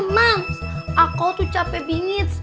mam aku tuh capek bingit